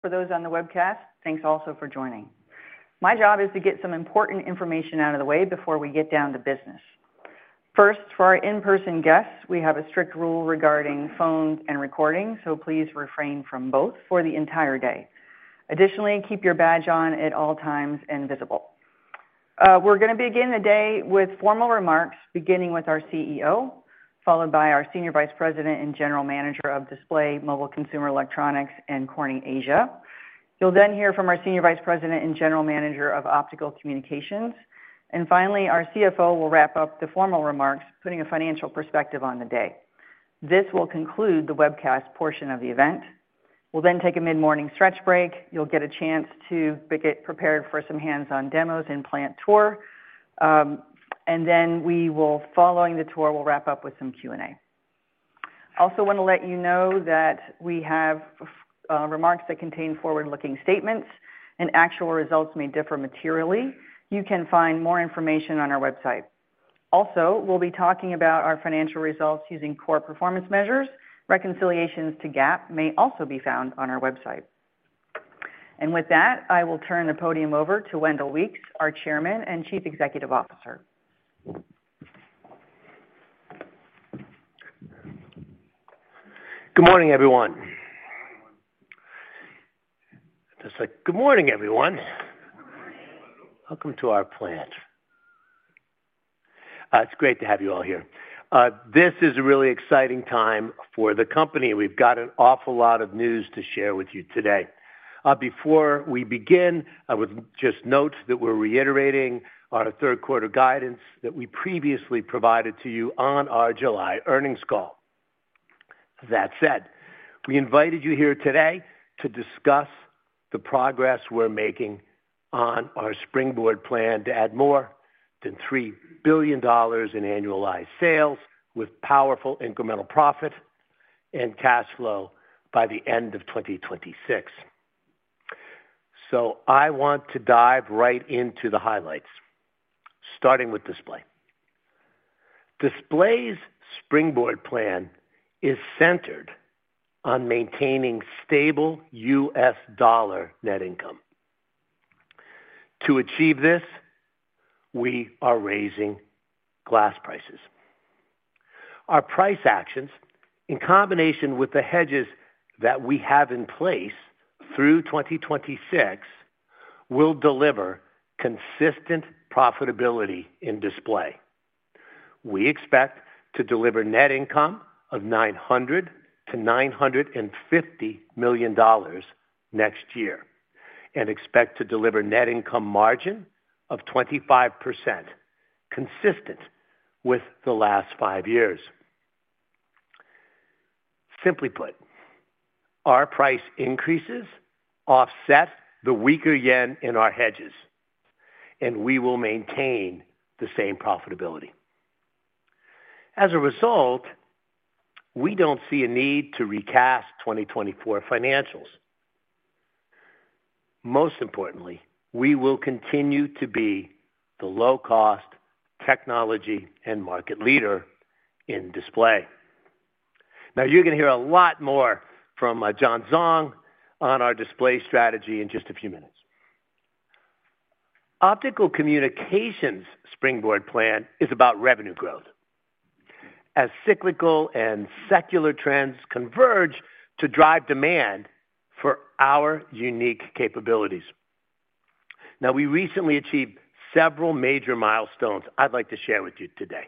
...For those on the webcast, thanks also for joining. My job is to get some important information out of the way before we get down to business. First, for our in-person guests, we have a strict rule regarding phones and recording, so please refrain from both for the entire day. Additionally, keep your badge on at all times and visible. We're gonna begin the day with formal remarks, beginning with our CEO, followed by our Senior Vice President and General Manager of Display, Mobile Consumer Electronics, and Corning Asia. You'll then hear from our Senior Vice President and General Manager of Optical Communications. And finally, our CFO will wrap up the formal remarks, putting a financial perspective on the day. This will conclude the webcast portion of the event. We'll then take a mid-morning stretch break. You'll get a chance to get prepared for some hands-on demos and plant tour, and then we will, following the tour, we'll wrap up with some Q&A. I also want to let you know that we have remarks that contain forward-looking statements, and actual results may differ materially. You can find more information on our website. Also, we'll be talking about our financial results using Core performance measures. Reconciliations to GAAP may also be found on our website, and with that, I will turn the podium over to Wendell Weeks, our Chairman and Chief Executive Officer. Good morning, everyone. Good morning. Welcome to our plant. It's great to have you all here. This is a really exciting time for the company. We've got an awful lot of news to share with you today. Before we begin, I would just note that we're reiterating our third quarter guidance that we previously provided to you on our July earnings call. That said, we invited you here today to discuss the progress we're making on our Springboard plan to add more than $3 billion in annualized sales, with powerful incremental profit and cash flow by the end of 2026. So I want to dive right into the highlights, starting with Display. Display's Springboard plan is centered on maintaining stable U.S. dollar net income. To achieve this, we are raising glass prices. Our price actions, in combination with the hedges that we have in place through 2026, will deliver consistent profitability in Display. We expect to deliver net income of $900 million-$950 million next year, and expect to deliver net income margin of 25%, consistent with the last five years. Simply put, our price increases offset the weaker yen in our hedges, and we will maintain the same profitability. As a result, we don't see a need to recast 2024 financials. Most importantly, we will continue to be the low-cost technology and market leader in Display. Now, you're gonna hear a lot more from John Zhang on our Display strategy in just a few minutes. Optical Communications Springboard plan is about revenue growth, as cyclical and secular trends converge to drive demand for our unique capabilities. Now, we recently achieved several major milestones I'd like to share with you today.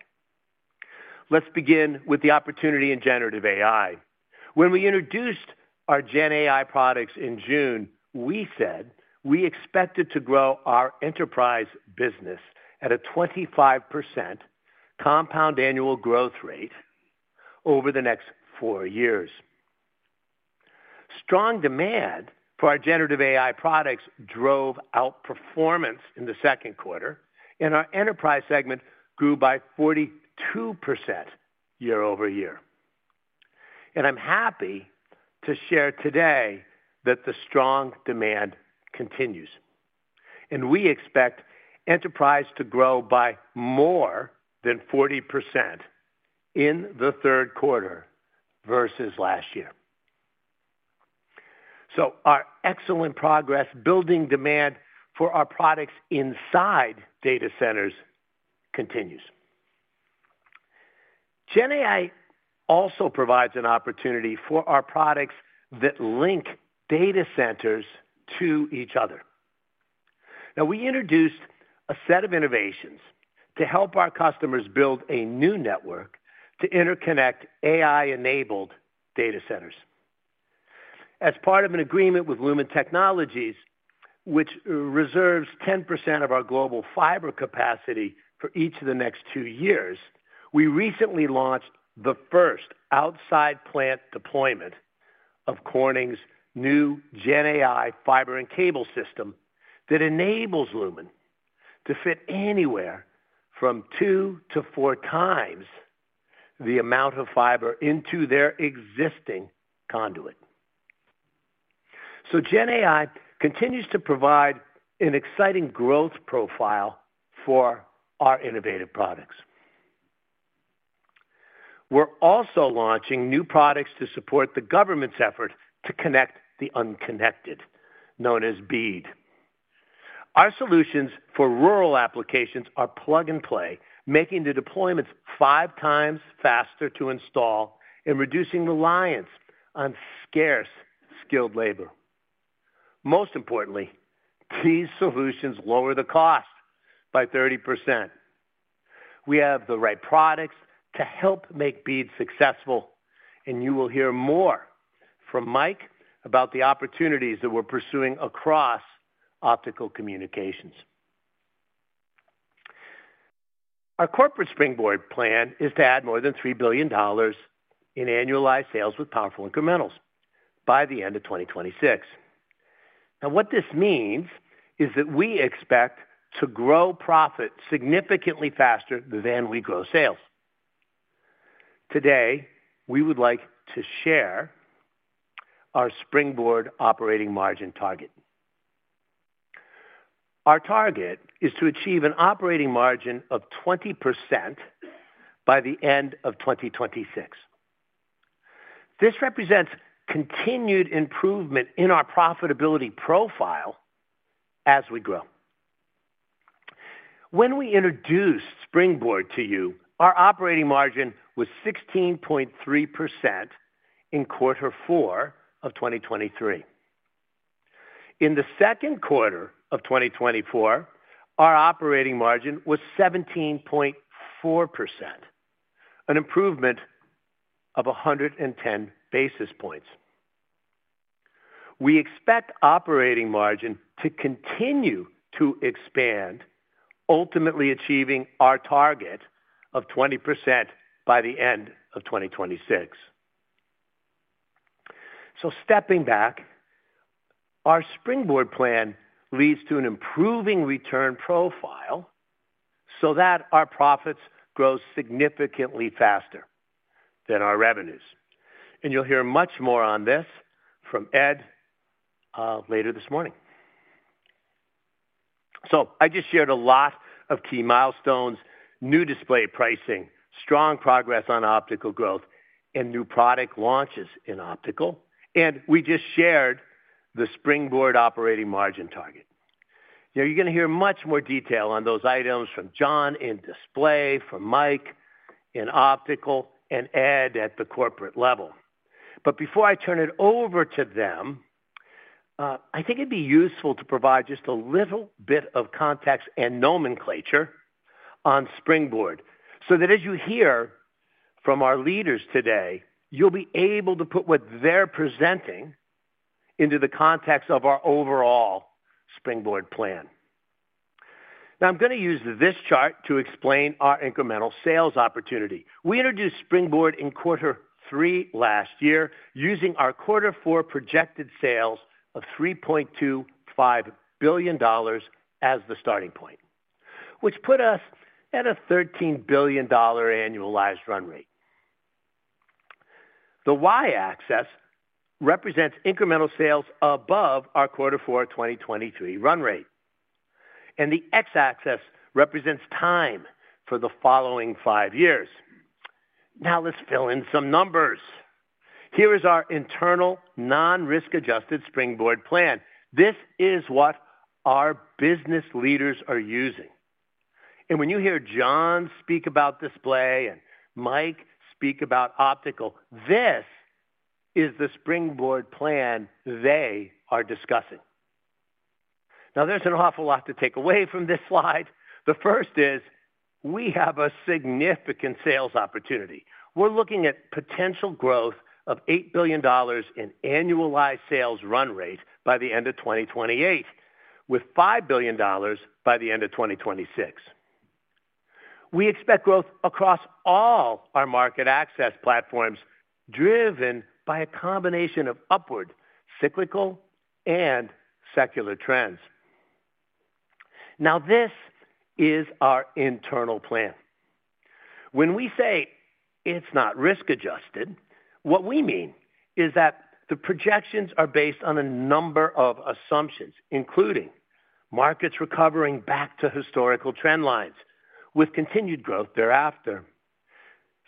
Let's begin with the opportunity in generative AI. When we introduced our Gen AI products in June, we said we expected to grow our Enterprise business at a 25% compound annual growth rate over the next four years. Strong demand for our generative AI products drove outperformance in the second quarter, and our Enterprise segment grew by 42% year over year. And I'm happy to share today that the strong demand continues, and we expect Enterprise to grow by more than 40% in the third quarter versus last year. So our excellent progress building demand for our products inside data centers continues. Gen AI also provides an opportunity for our products that link data centers to each other. Now, we introduced a set of innovations to help our customers build a new network to interconnect AI-enabled data centers. As part of an agreement with Lumen Technologies, which reserves 10% of our global fiber capacity for each of the next two years, we recently launched the first outside plant deployment of Corning's new Gen AI fiber and cable system that enables Lumen to fit anywhere from two to four times the amount of fiber into their existing conduit. So Gen AI continues to provide an exciting growth profile for our innovative products. We're also launching new products to support the government's effort to connect the unconnected, known as BEAD. Our solutions for rural applications are plug-and-play, making the deployments five times faster to install and reducing reliance on scarce skilled labor. Most importantly, these solutions lower the cost by 30%. We have the right products to help make BEAD successful, and you will hear more from Mike about the opportunities that we're pursuing across Optical Communications. Our corporate Springboard plan is to add more than $3 billion in annualized sales with powerful incrementals by the end of 2026. Now, what this means is that we expect to grow profit significantly faster than we grow sales. Today, we would like to share our Springboard operating margin target. Our target is to achieve an operating margin of 20% by the end of 2026. This represents continued improvement in our profitability profile as we grow. When we introduced Springboard to you, our operating margin was 16.3% in quarter four of 2023. In the second quarter of 2024, our operating margin was 17.4%, an improvement of 110 basis points. We expect operating margin to continue to expand, ultimately achieving our target of 20% by the end of 2026. So stepping back, our Springboard plan leads to an improving return profile so that our profits grow significantly faster than our revenues. And you'll hear much more on this from Ed later this morning. So I just shared a lot of key milestones, new Display pricing, strong progress on Optical growth, and new product launches in Optical, and we just shared the Springboard operating margin target. Now, you're gonna hear much more detail on those items from John in Display, from Mike in Optical, and Ed at the corporate level. But before I turn it over to them, I think it'd be useful to provide just a little bit of context and nomenclature on Springboard, so that as you hear from our leaders today, you'll be able to put what they're presenting into the context of our overall Springboard plan. Now, I'm gonna use this chart to explain our incremental sales opportunity. We introduced Springboard in quarter three last year, using our quarter four projected sales of $3.25 billion as the starting point, which put us at a $13 billion annualized run rate. The Y-axis represents incremental sales above our quarter four 2023 run rate, and the X-axis represents time for the following five years. Now, let's fill in some numbers. Here is our internal non-risk adjusted Springboard plan. This is what our business leaders are using, and when you hear John speak about Display and Mike speak about Optical, this is the Springboard plan they are discussing. Now, there's an awful lot to take away from this slide. The first is, we have a significant sales opportunity. We're looking at potential growth of $8 billion in annualized sales run rate by the end of 2028, with $5 billion by the end of 2026. We expect growth across all our Market-Access Platforms, driven by a combination of upward, cyclical, and secular trends. Now, this is our internal plan. When we say it's not risk-adjusted, what we mean is that the projections are based on a number of assumptions, including markets recovering back to historical trend lines with continued growth thereafter,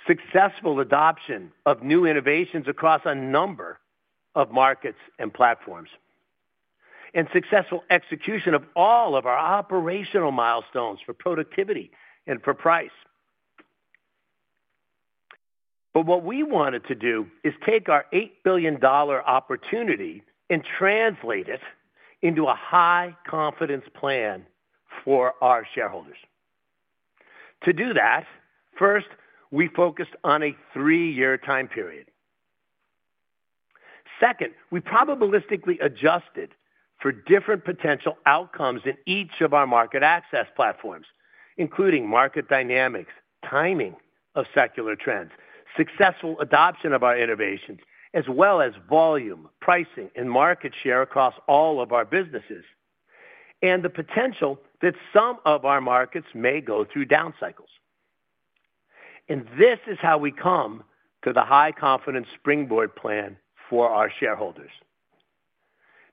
successful adoption of new innovations across a number of markets and platforms, and successful execution of all of our operational milestones for productivity and for price. But what we wanted to do is take our $8 billion opportunity and translate it into a high-confidence plan for our shareholders. To do that, first, we focused on a three-year time period. Second, we probabilistically adjusted for different potential outcomes in each of our Market-Access Platforms, including market dynamics, timing of secular trends, successful adoption of our innovations, as well as volume, pricing, and market share across all of our businesses, and the potential that some of our markets may go through down cycles. And this is how we come to the high-confidence Springboard plan for our shareholders.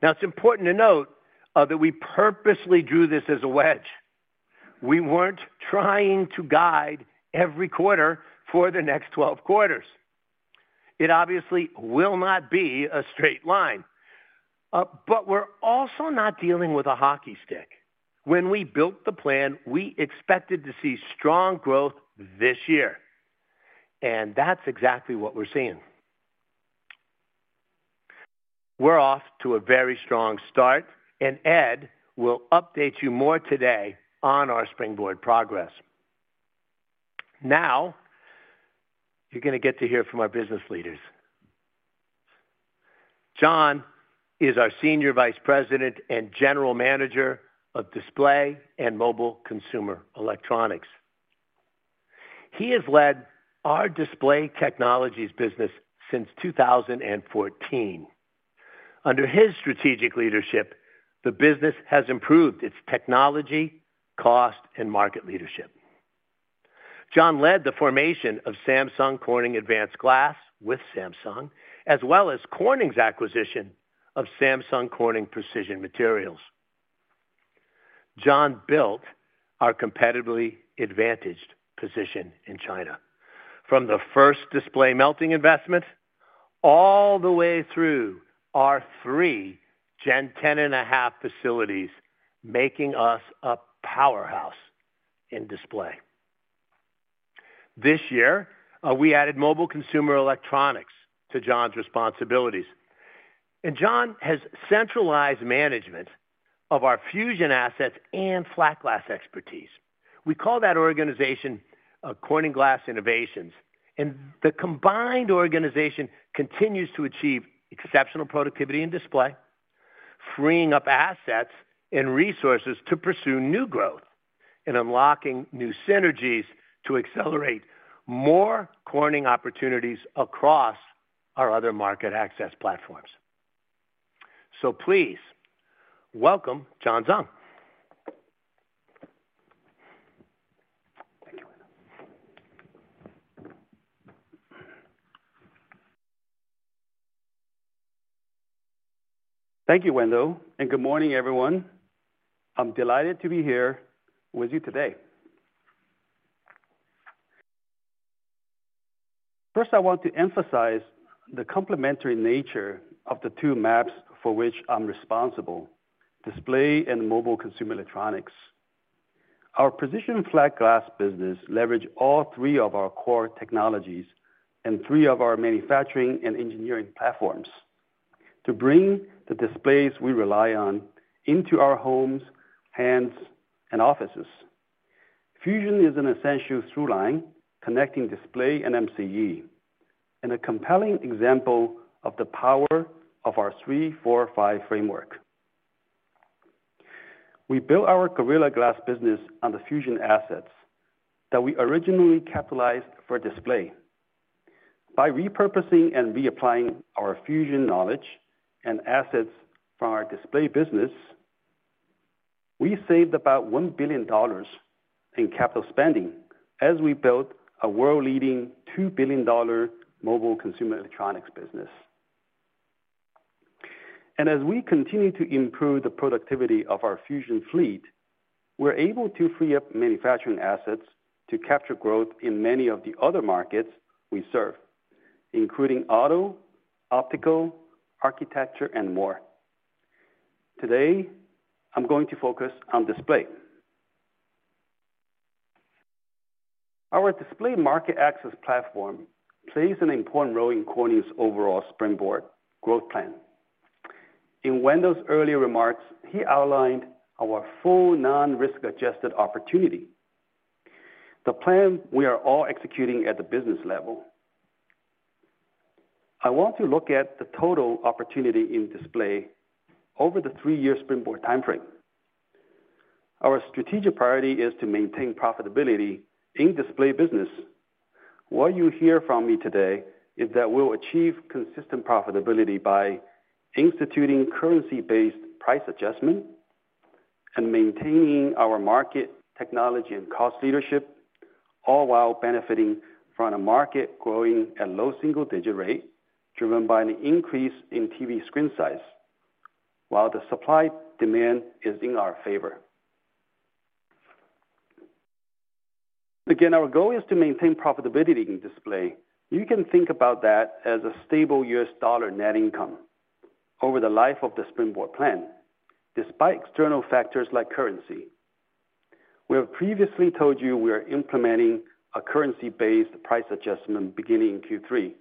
Now, it's important to note that we purposely drew this as a wedge. We weren't trying to guide every quarter for the next twelve quarters. It obviously will not be a straight line, but we're also not dealing with a hockey stick. When we built the plan, we expected to see strong growth this year, and that's exactly what we're seeing. We're off to a very strong start, and Ed will update you more today on our Springboard progress. Now, you're gonna get to hear from our business leaders. John is our Senior Vice President and General Manager of Display and Mobile Consumer Electronics. He has led our Display Technologies business since 2014. Under his strategic leadership, the business has improved its technology, cost, and market leadership. John led the formation of Samsung Corning Advanced Glass with Samsung, as well as Corning's acquisition of Samsung Corning Precision Materials. John built our competitively advantaged position in China, from the first Display melting investment, all the way through our three Gen 10.5 facilities, making us a powerhouse in Display. This year, we added mobile consumer electronics to John's responsibilities, and John has centralized management of our Fusion assets and flat glass expertise. We call that organization, Corning Glass Innovations, and the combined organization continues to achieve exceptional productivity in Display, freeing up assets and resources to pursue new growth and unlocking new synergies to accelerate more Corning opportunities across our other Market-Access Platforms. Please welcome John Zhang. Thank you, Wendell, and good morning, everyone. I'm delighted to be here with you today. First, I want to emphasize the complementary nature of the two MAPs for which I'm responsible, Display and mobile consumer electronics. Our precision flat glass business leverage all three of our Core Technologies and three of our Manufacturing and Engineering Platforms to bring the displays we rely on into our homes, hands, and offices. Fusion is an essential through line connecting Display and MCE, and a compelling example of the power of our 3-4-5 Framework. We built our Gorilla Glass business on the Fusion assets that we originally capitalized for Display. By repurposing and reapplying our Fusion knowledge and assets from our Display business, we saved about $1 billion in capital spending as we built a world-leading $2 billion mobile consumer electronics business. As we continue to improve the productivity of our Fusion fleet, we're able to free up manufacturing assets to capture growth in many of the other markets we serve, including Auto, Optical, Architecture, and more. Today, I'm going to focus on Display. Our Display Market-Access Platform plays an important role in Corning's overall Springboard growth plan. In Wendell's earlier remarks, he outlined our full non-risk adjusted opportunity, the plan we are all executing at the business level. I want to look at the total opportunity in Display over the three-year Springboard timeframe. Our strategic priority is to maintain profitability in Display business. What you hear from me today is that we'll achieve consistent profitability by instituting currency-based price adjustment and maintaining our market technology and cost leadership, all while benefiting from a market growing at low single-digit rate, driven by an increase in TV screen size, while the supply-demand is in our favor. Again, our goal is to maintain profitability in Display. You can think about that as a stable U.S. dollar net income over the life of the Springboard plan, despite external factors like currency. We have previously told you we are implementing a currency-based price adjustment beginning in Q3.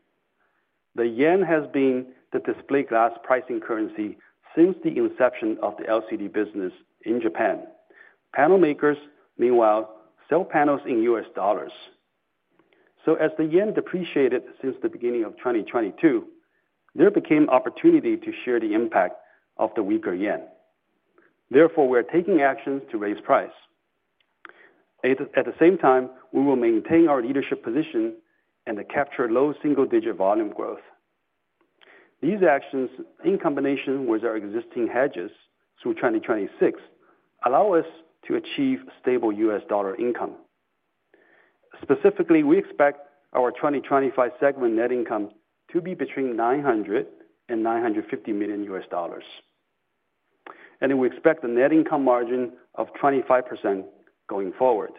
The yen has been the Display glass pricing currency since the inception of the LCD business in Japan. Panel makers, meanwhile, sell panels in U.S. dollars. So as the yen depreciated since the beginning of 2022, there became opportunity to share the impact of the weaker yen. Therefore, we're taking actions to raise price. At the same time, we will maintain our leadership position and to capture low single digit volume growth. These actions, in combination with our existing hedges through 2026, allow us to achieve stable U.S. dollar income. Specifically, we expect our 2025 segment net income to be between $900 million and $950 million, and we expect the net income margin of 25% going forward.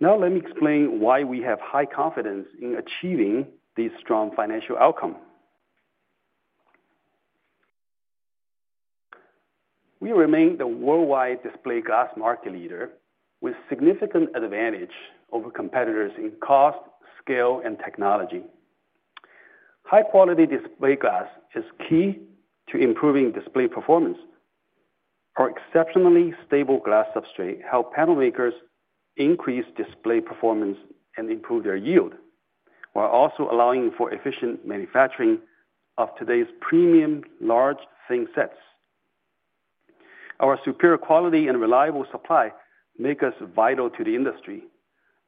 Now, let me explain why we have high confidence in achieving this strong financial outcome. We remain the worldwide Display glass market leader, with significant advantage over competitors in cost, scale, and technology. High-quality Display glass is key to improving display performance. Our exceptionally stable glass substrate help panel makers increase display performance and improve their yield, while also allowing for efficient manufacturing of today's premium large thin sets. Our superior quality and reliable supply make us vital to the industry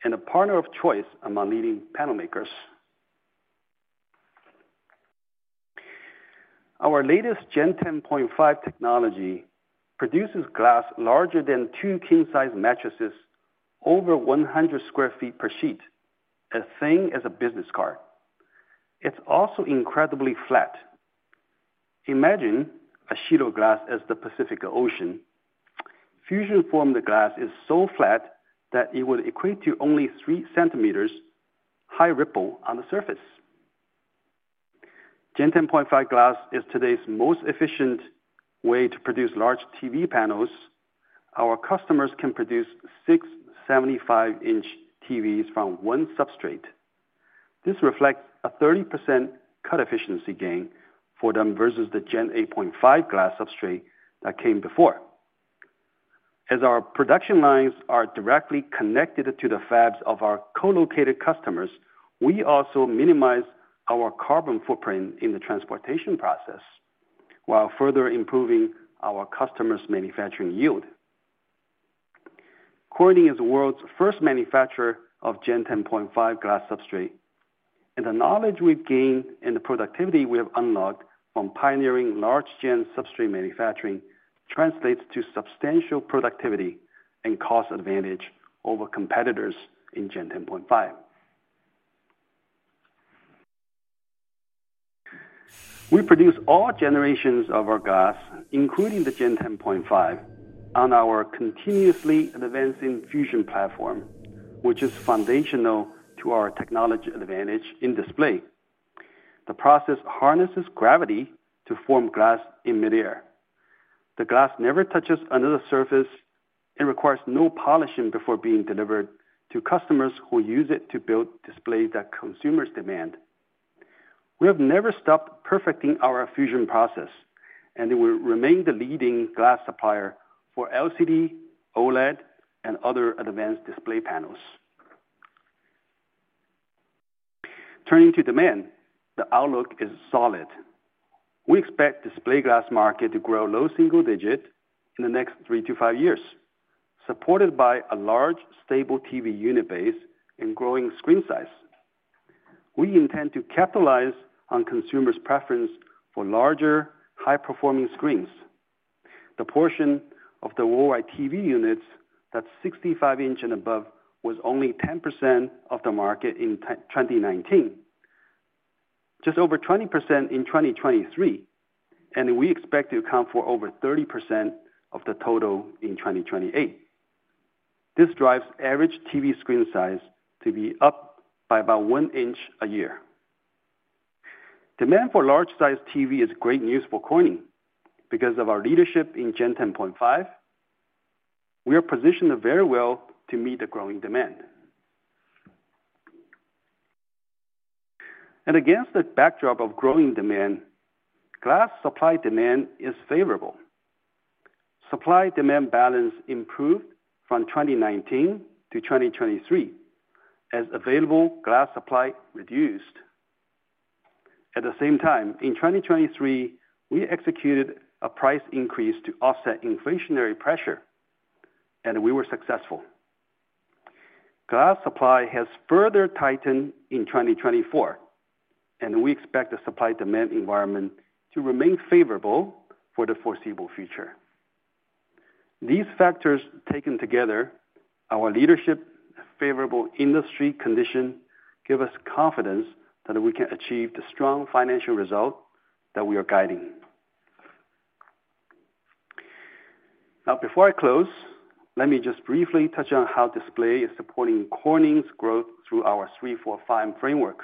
and a partner of choice among leading panel makers. Our latest Gen 10.5 technology produces glass larger than two king-size mattresses, over 100 sq ft per sheet, as thin as a business card. It's also incredibly flat. Imagine a sheet of glass as the Pacific Ocean. Fusion-formed glass is so flat that it would equate to only 3 centimeters high ripple on the surface. Gen 10.5 glass is today's most efficient way to produce large TV panels. Our customers can produce six 75-inch TVs from one substrate. This reflects a 30% cut efficiency gain for them versus the Gen 8.5 glass substrate that came before. As our production lines are directly connected to the fabs of our co-located customers, we also minimize our carbon footprint in the transportation process, while further improving our customers' manufacturing yield. Corning is the world's first manufacturer of Gen 10.5 glass substrate, and the knowledge we've gained and the productivity we have unlocked from pioneering large Gen substrate manufacturing translates to substantial productivity and cost advantage over competitors in Gen 10.5. We produce all generations of our glass, including the Gen 10.5, on our continuously advancing Fusion platform, which is foundational to our technology advantage in Display. The process harnesses gravity to form glass in midair. The glass never touches another surface and requires no polishing before being delivered to customers who use it to build displays that consumers demand. We have never stopped perfecting our Fusion process, and it will remain the leading glass supplier for LCD, OLED, and other advanced display panels. Turning to demand, the outlook is solid. We expect Display glass market to grow low single digit in the next three to five years, supported by a large, stable TV unit base and growing screen size. We intend to capitalize on consumers' preference for larger, high-performing screens. The portion of the worldwide TV units that's sixty-five inch and above was only 10% of the market in 2019, just over 20% in 2023, and we expect to account for over 30% of the total in 2028. This drives average TV screen size to be up by about one inch a year. Demand for large-sized TV is great news for Corning. Because of our leadership in Gen 10.5, we are positioned very well to meet the growing demand. And against the backdrop of growing demand, glass supply-demand is favorable. Supply-demand balance improved from 2019 to 2023, as available glass supply reduced. At the same time, in 2023, we executed a price increase to offset inflationary pressure, and we were successful. Glass supply has further tightened in 2024, and we expect the supply-demand environment to remain favorable for the foreseeable future. These factors, taken together, our leadership, favorable industry condition, give us confidence that we can achieve the strong financial result that we are guiding. Now, before I close, let me just briefly touch on how Display is supporting Corning's growth through our 3-4-5 Framework.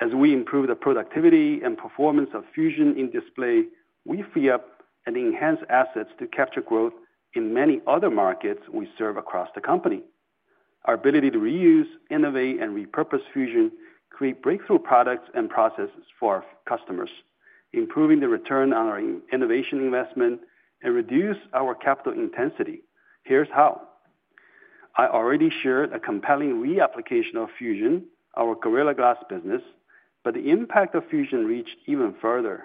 As we improve the productivity and performance of Fusion in Display, we free up and enhance assets to capture growth in many other markets we serve across the company. Our ability to reuse, innovate, and repurpose Fusion create breakthrough products and processes for our customers, improving the return on our innovation investment and reduce our capital intensity. Here's how. I already shared a compelling reapplication of Fusion, our Gorilla Glass business, but the impact of Fusion reached even further.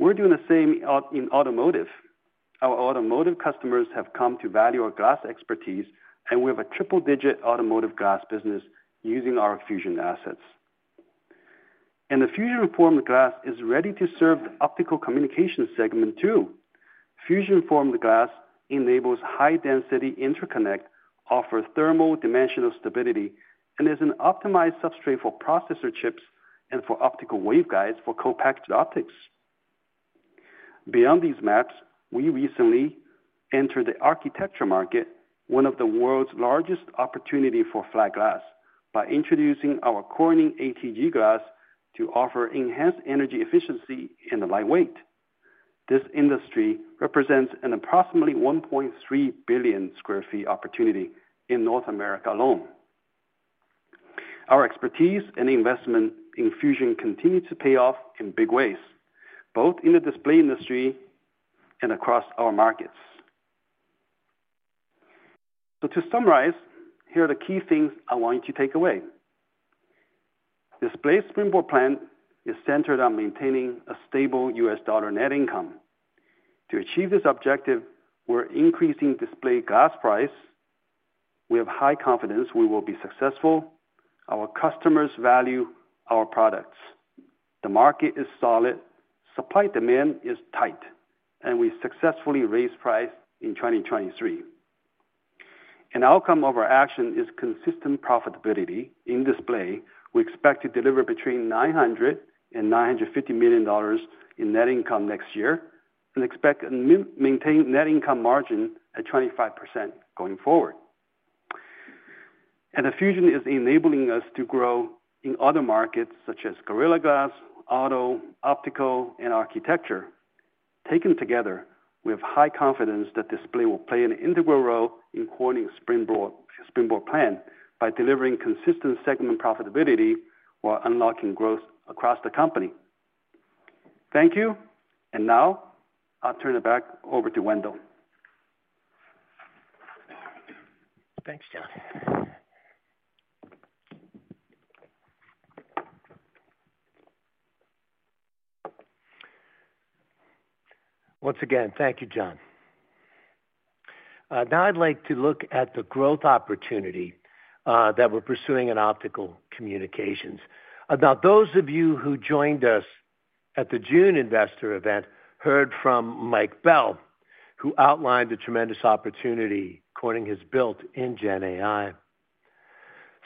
We're doing the same in automotive. Our automotive customers have come to value our glass expertise, and we have a triple-digit automotive glass business using our Fusion assets, and the Fusion-formed glass is ready to serve the Optical Communication segment, too. Fusion-formed glass enables high-density interconnect, offers thermal dimensional stability, and is an optimized substrate for processor chips and for optical waveguides for co-packaged optics. Beyond these MAPs, we recently entered the Architecture market, one of the world's largest opportunity for flat glass, by introducing our Corning ATG glass to offer enhanced energy efficiency and lightweight. This industry represents an approximately 1.3 billion sq ft opportunity in North America alone. Our expertise and investment in Fusion continue to pay off in big ways, both in the Display industry and across our markets. So to summarize, here are the key things I want you to take away. Display Springboard plan is centered on maintaining a stable U.S. dollar net income. To achieve this objective, we're increasing Display glass price. We have high confidence we will be successful. Our customers value our products. The market is solid, supply-demand is tight, and we successfully raised price in 2023. An outcome of our action is consistent profitability. In Display, we expect to deliver between $900 and $950 million in net income next year, and expect to maintain net income margin at 25% going forward, and the Fusion is enabling us to grow in other markets such as Gorilla Glass, Auto, Optical, and Architecture. Taken together, we have high confidence that Display will play an integral role in Corning's Springboard, Springboard plan by delivering consistent segment profitability while unlocking growth across the company. Thank you, and now I'll turn it back over to Wendell. Thanks, John. Once again, thank you, John. Now I'd like to look at the growth opportunity that we're pursuing in Optical Communications. Now, those of you who joined us at the June investor event heard from Mike Bell, who outlined the tremendous opportunity Corning has built in Gen AI.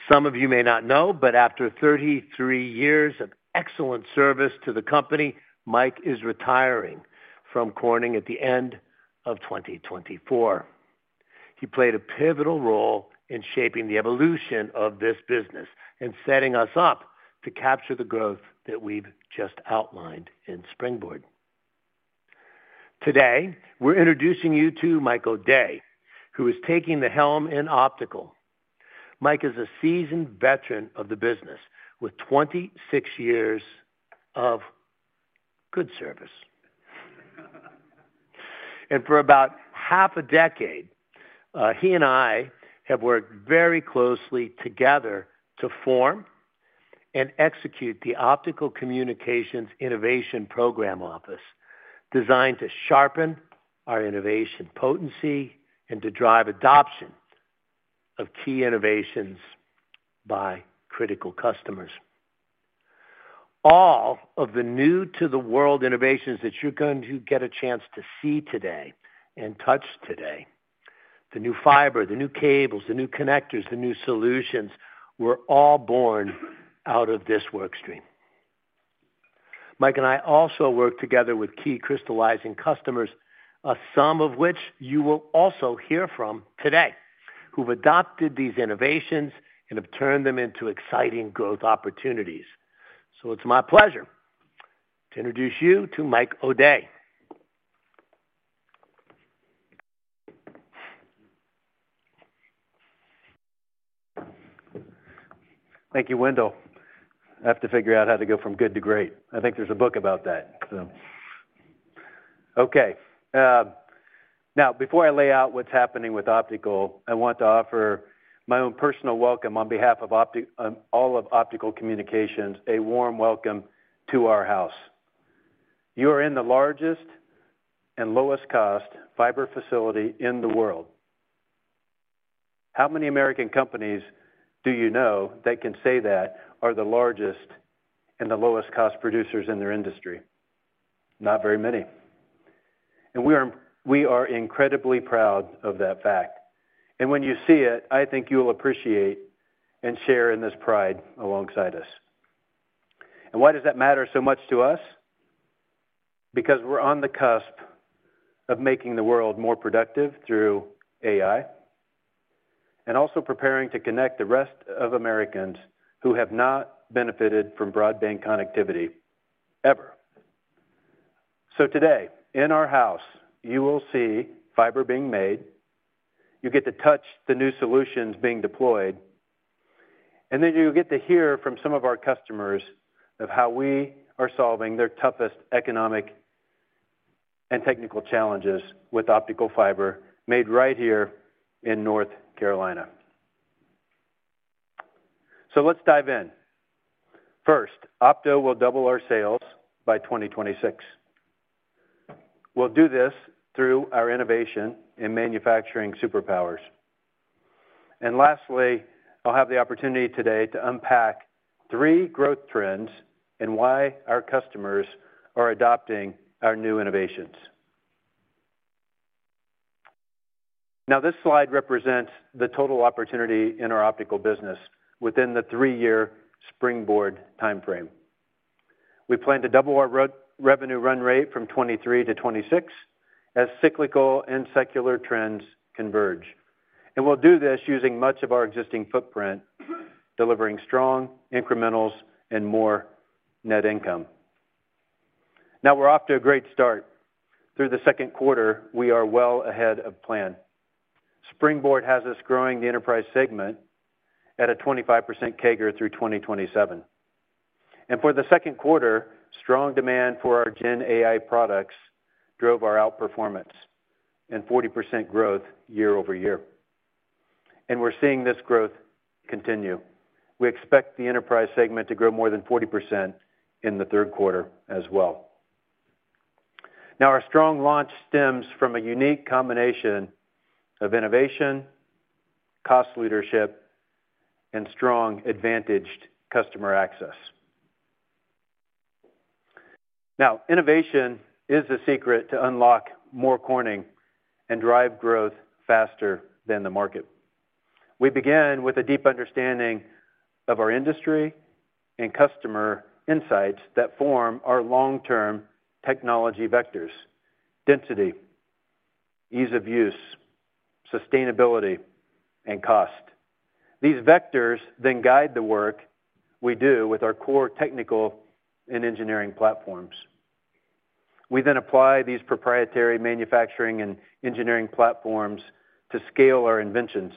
Some of you may not know, but after thirty-three years of excellent service to the company, Mike is retiring from Corning at the end of twenty twenty-four. He played a pivotal role in shaping the evolution of this business and setting us up to capture the growth that we've just outlined in Springboard. Today, we're introducing you to Mike O'Day, who is taking the helm in Optical. Mike is a seasoned veteran of the business, with twenty-six years of good service. And for about half a decade, he and I have worked very closely together to form and execute the Optical Communications Innovation Program Office, designed to sharpen our innovation potency and to drive adoption of key innovations by critical customers. All of the new-to-the-world innovations that you're going to get a chance to see today and touch today, the new fiber, the new cables, the new connectors, the new solutions, were all born out of this work stream. Mike and I also work together with key crystallizing customers, some of which you will also hear from today, who've adopted these innovations and have turned them into exciting growth opportunities. So it's my pleasure to introduce you to Mike O'Day. Thank you, Wendell. I have to figure out how to go from good to great. I think there's a book about that, so... Okay, now, before I lay out what's happening with Optical, I want to offer my own personal welcome on behalf of all of Optical Communications, a warm welcome to our house. You are in the largest and lowest cost fiber facility in the world. How many American companies do you know that can say that are the largest and the lowest cost producers in their industry? Not very many. And we are incredibly proud of that fact, and when you see it, I think you'll appreciate and share in this pride alongside us. And why does that matter so much to us? Because we're on the cusp of making the world more productive through AI, and also preparing to connect the rest of Americans who have not benefited from broadband connectivity, ever. So today, in our house, you will see fiber being made, you get to touch the new solutions being deployed, and then you'll get to hear from some of our customers of how we are solving their toughest economic and technical challenges with optical fiber made right here in North Carolina. So let's dive in. First, Opto will double our sales by 2026.... We'll do this through our innovation and manufacturing superpowers. And lastly, I'll have the opportunity today to unpack three growth trends and why our customers are adopting our new innovations. Now, this slide represents the total opportunity in our Optical business within the three-year Springboard timeframe. We plan to double our revenue run rate from 2023 to 2026, as cyclical and secular trends converge, and we'll do this using much of our existing footprint, delivering strong incrementals and more net income. Now we're off to a great start. Through the second quarter, we are well ahead of plan. Springboard has us growing the Enterprise segment at a 25% CAGR through 2027, and for the second quarter, strong demand for our Gen AI products drove our outperformance and 40% growth year over year, and we're seeing this growth continue. We expect the Enterprise segment to grow more than 40% in the third quarter as well. Now, our strong launch stems from a unique combination of innovation, cost leadership, and strong advantaged customer access. Now, innovation is the secret to unlock more Corning and drive growth faster than the market. We begin with a deep understanding of our industry and customer insights that form our long-term technology vectors: density, ease of use, sustainability, and cost. These vectors then guide the work we do with our Core technical and engineering platforms. We then apply these proprietary Manufacturing and Engineering Platforms to scale our inventions,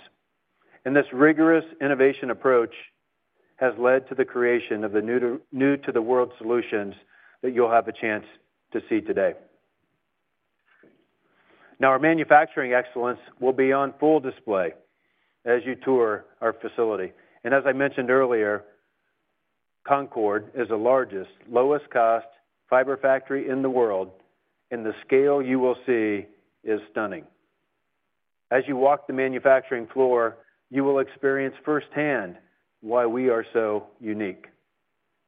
and this rigorous innovation approach has led to the creation of new-to-the-world solutions that you'll have a chance to see today. Now, our manufacturing excellence will be on full Display as you tour our facility. And as I mentioned earlier, Concord is the largest, lowest cost fiber factory in the world, and the scale you will see is stunning. As you walk the manufacturing floor, you will experience firsthand why we are so unique.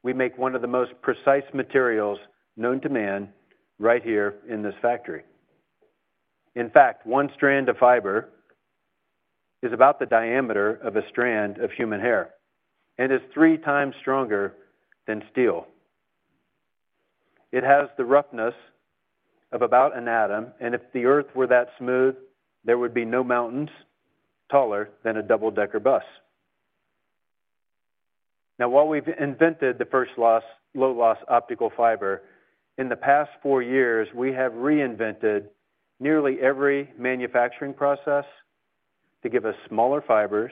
We make one of the most precise materials known to man right here in this factory. In fact, one strand of fiber is about the diameter of a strand of human hair and is three times stronger than steel. It has the roughness of about an atom, and if the Earth were that smooth, there would be no mountains taller than a double-decker bus. Now, while we've invented the first low-loss optical fiber, in the past four years, we have reinvented nearly every manufacturing process to give us smaller fibers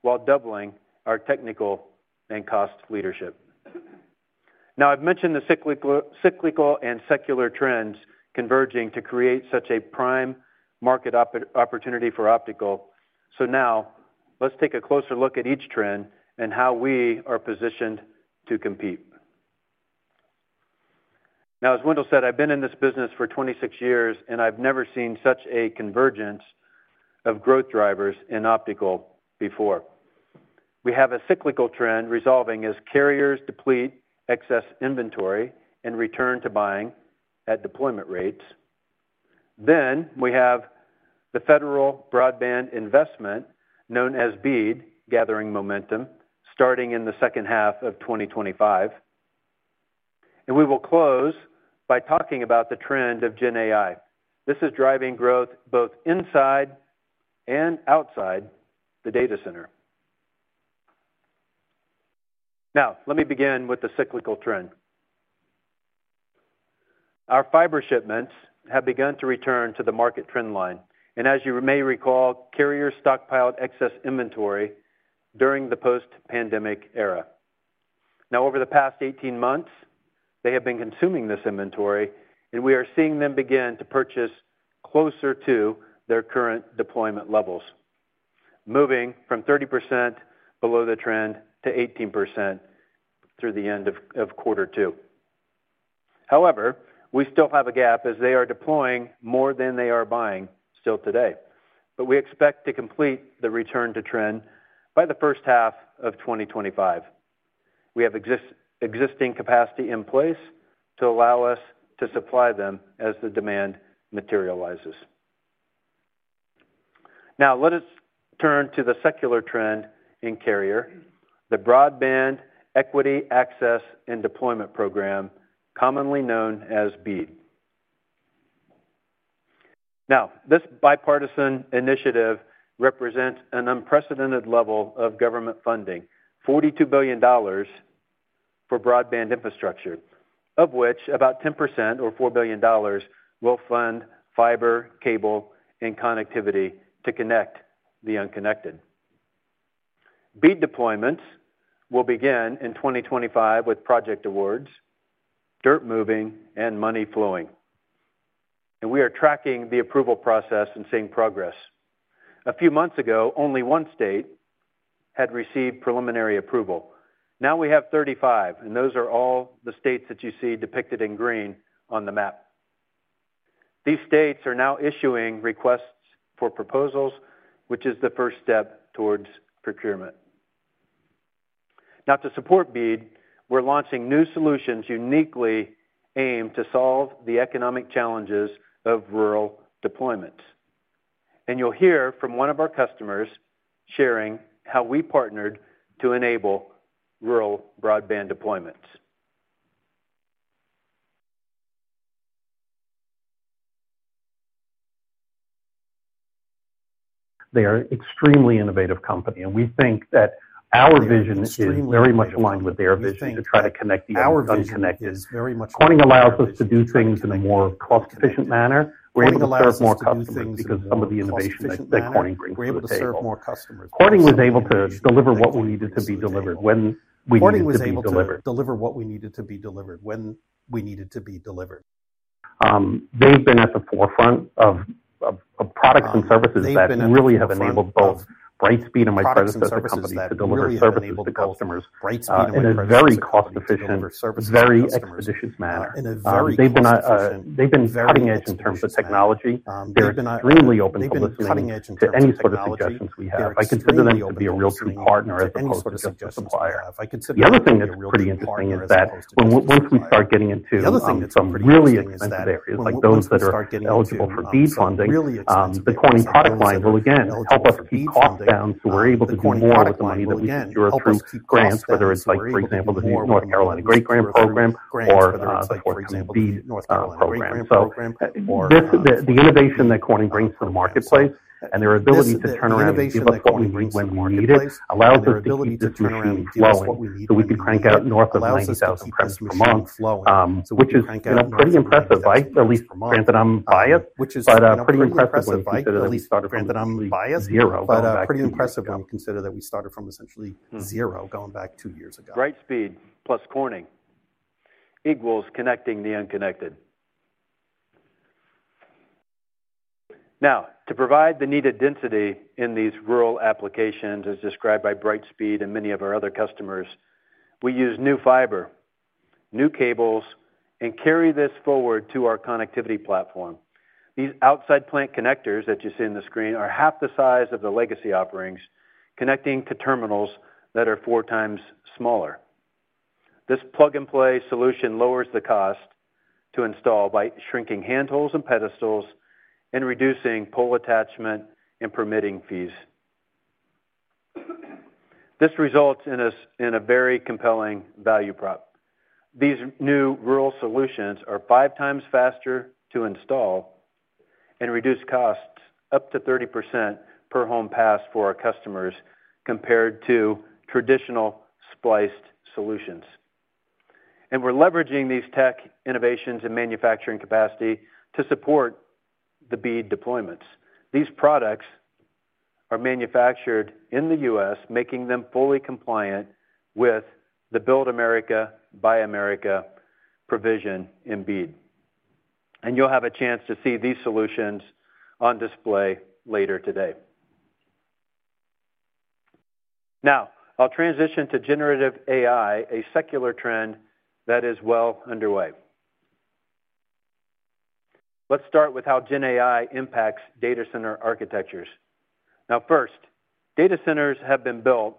while doubling our technical and cost leadership. Now, I've mentioned the cyclical and secular trends converging to create such a prime market opportunity for Optical. So now let's take a closer look at each trend and how we are positioned to compete. Now, as Wendell said, I've been in this business for twenty-six years, and I've never seen such a convergence of growth drivers in Optical before. We have a cyclical trend resolving as carriers deplete excess inventory and return to buying at deployment rates. Then, we have the federal broadband investment, known as BEAD, gathering momentum, starting in the second half of 2025. And we will close by talking about the trend of Gen AI. This is driving growth both inside and outside the data center. Now, let me begin with the cyclical trend. Our fiber shipments have begun to return to the market trend line, and as you may recall, carriers stockpiled excess inventory during the post-pandemic era. Now, over the past eighteen months, they have been consuming this inventory, and we are seeing them begin to purchase closer to their current deployment levels, moving from 30% below the trend to 18% through the end of quarter two. However, we still have a gap as they are deploying more than they are buying still today. But we expect to complete the return to trend by the first half of 2025. We have existing capacity in place to allow us to supply them as the demand materializes. Now, let us turn to the secular trend in carrier, the Broadband Equity, Access, and Deployment program, commonly known as BEAD. Now, this bipartisan initiative represents an unprecedented level of government funding, $42 billion for broadband infrastructure, of which about 10% or $4 billion will fund fiber, cable, and connectivity to connect the unconnected. BEAD deployments will begin in 2025, with project awards, dirt moving, and money flowing, and we are tracking the approval process and seeing progress. A few months ago, only one state had received preliminary approval. Now we have 35, and those are all the states that you see depicted in green on the map. These states are now issuing requests for proposals, which is the first step towards procurement. Now, to support BEAD, we're launching new solutions uniquely aimed to solve the economic challenges of rural deployment. And you'll hear from one of our customers sharing how we partnered to enable rural broadband deployments. They are extremely innovative company, and we think that our vision is very much aligned with their vision to try to connect the unconnected. Corning allows us to do things in a more cost-efficient manner. We're able to serve more customers because some of the innovation that Corning brings to the table. Corning was able to deliver what we needed to be delivered when we needed to be delivered. When we needed to be delivered. They've been at the forefront of products and services that really have enabled both Brightspeed and my company as a company to deliver services to customers in a very cost-efficient, very expeditious manner. They've been cutting edge in terms of technology. They're extremely open to listening to any sort of suggestions we have. I consider them to be a real true partner as opposed to just a supplier. The other thing that's pretty interesting is that once we start getting into some really expensive areas, like those that are eligible for BEAD funding, the Corning product line will, again, help us keep costs down, so we're able to do more with the money that we secure through grants, whether it's like, for example, the North Carolina GREAT Grant program or the like BEAD program. So, this innovation that Corning brings to the marketplace and their ability to turn around and give us what we need when we need it allows us to keep this machine flowing so we can crank out north of 90,000 premises per month, which is, you know, pretty impressive, right? At least, granted, I'm biased, but pretty impressive when you consider that we started from essentially zero going back two years ago. Brightspeed plus Corning equals connecting the unconnected. Now, to provide the needed density in these rural applications, as described by Brightspeed and many of our other customers, we use new fiber, new cables, and carry this forward to our connectivity platform. These outside plant connectors that you see on the screen are half the size of the legacy offerings, connecting to terminals that are four times smaller. This plug-and-play solution lowers the cost to install by shrinking handholes and pedestals and reducing pole attachment and permitting fees. This results in a very compelling value prop. These new rural solutions are five times faster to install and reduce costs up to 30% per home pass for our customers, compared to traditional spliced solutions, and we're leveraging these tech innovations and manufacturing capacity to support the BEAD deployments. These products are manufactured in the U.S., making them fully compliant with the Build America, Buy America provision in BEAD, and you'll have a chance to see these solutions on Display later today. Now, I'll transition to generative AI, a secular trend that is well underway. Let's start with how Gen AI impacts data center Architectures. Now, first, data centers have been built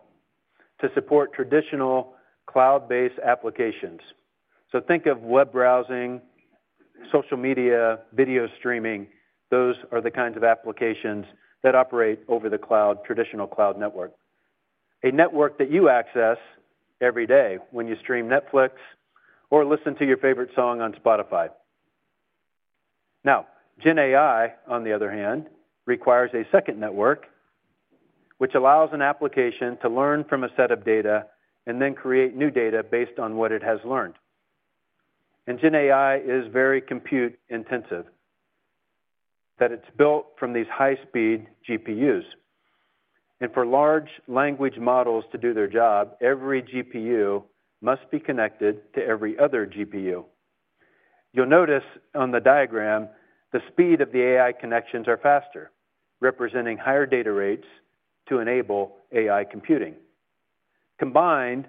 to support traditional cloud-based applications, so think of web browsing, social media, video streaming. Those are the kinds of applications that operate over the cloud, traditional cloud network. A network that you access every day when you stream Netflix or listen to your favorite song on Spotify. Now, Gen AI, on the other hand, requires a second network, which allows an application to learn from a set of data and then create new data based on what it has learned. Gen AI is very compute-intensive, that it's built from these high-speed GPUs. For large language models to do their job, every GPU must be connected to every other GPU. You'll notice on the diagram, the speed of the AI connections are faster, representing higher data rates to enable AI computing. Combined,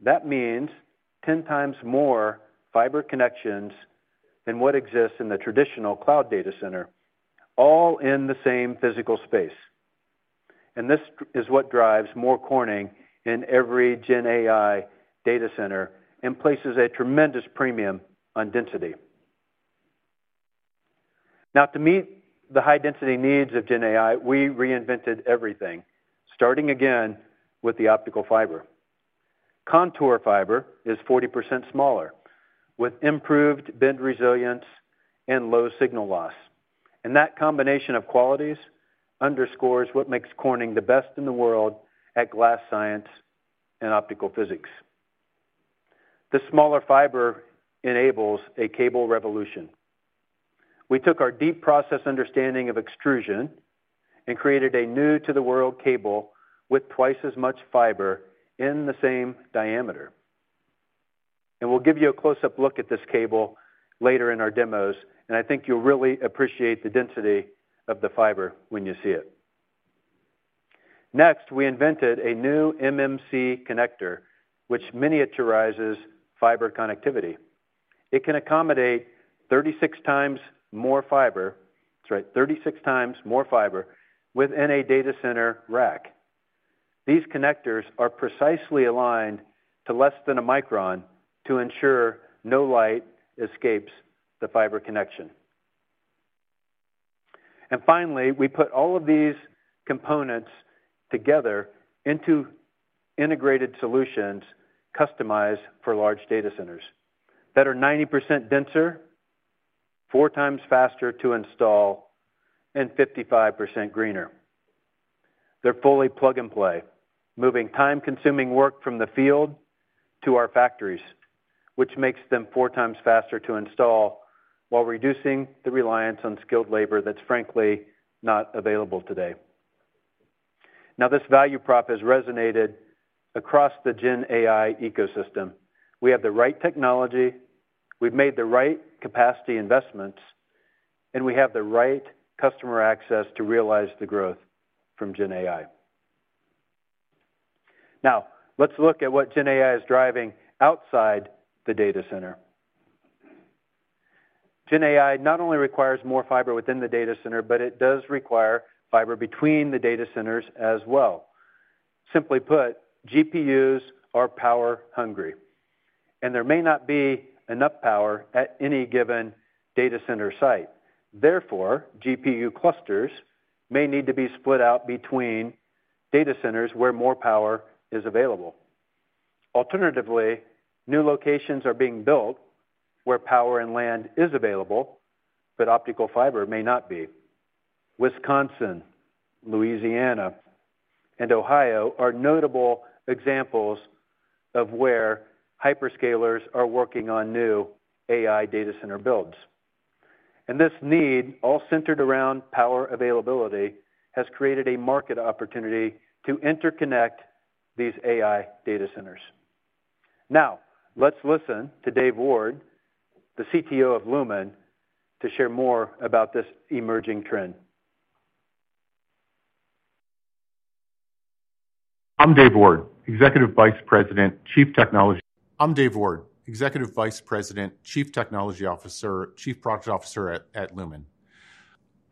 that means 10 times more fiber connections than what exists in the traditional cloud data center, all in the same physical space. This is what drives more Corning in every Gen AI data center and places a tremendous premium on density. To meet the high-density needs of Gen AI, we reinvented everything, starting again with the optical fiber. Contour fiber is 40% smaller, with improved bend resilience and low signal loss. That combination of qualities underscores what makes Corning the best in the world at glass science and optical physics. This smaller fiber enables a cable revolution. We took our deep process understanding of extrusion and created a new-to-the-world cable with twice as much fiber in the same diameter, and we'll give you a close-up look at this cable later in our demos, and I think you'll really appreciate the density of the fiber when you see it. Next, we invented a new MMC connector, which miniaturizes fiber connectivity. It can accommodate 36 times more fiber, that's right, 36 times more fiber, within a data center rack. These connectors are precisely aligned to less than a micron to ensure no light escapes the fiber connection, and finally, we put all of these components together into integrated solutions customized for large data centers that are 90% denser, 4 times faster to install, and 55% greener. They're fully plug and play, moving time-consuming work from the field to our factories, which makes them four times faster to install while reducing the reliance on skilled labor that's, frankly, not available today. Now, this value prop has resonated across the Gen AI ecosystem. We have the right technology, we've made the right capacity investments, and we have the right customer access to realize the growth from Gen AI. Now, let's look at what Gen AI is driving outside the data center. Gen AI not only requires more fiber within the data center, but it does require fiber between the data centers as well. Simply put, GPUs are power hungry, and there may not be enough power at any given data center site. Therefore, GPU clusters may need to be split out between data centers where more power is available. Alternatively, new locations are being built where power and land is available, but optical fiber may not be. Wisconsin, Louisiana, and Ohio are notable examples of where hyperscalers are working on new AI data center builds. This need, all centered around power availability, has created a market opportunity to interconnect these AI data centers. Now, let's listen to Dave Ward, the CTO of Lumen, to share more about this emerging trend. I'm Dave Ward, Executive Vice President, Chief Technology Officer, Chief Product Officer at Lumen.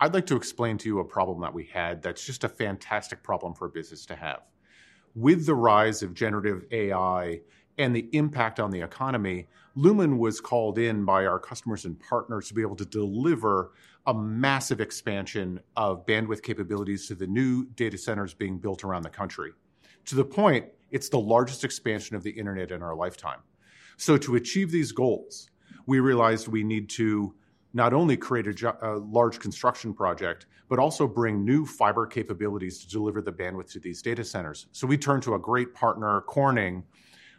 I'd like to explain to you a problem that we had that's just a fantastic problem for a business to have. With the rise of generative AI and the impact on the economy, Lumen was called in by our customers and partners to be able to deliver a massive expansion of bandwidth capabilities to the new data centers being built around the country. To the point, it's the largest expansion of the internet in our lifetime. So to achieve these goals, we realized we need to not only create a large construction project, but also bring new fiber capabilities to deliver the bandwidth to these data centers. So we turned to a great partner, Corning,